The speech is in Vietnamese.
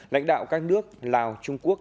lãnh đạo các nước lào trung quốc